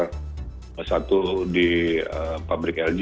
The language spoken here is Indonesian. satu di pabrik lg dua di pabrik suzuki satu lagi malam ini sedang kita pelajari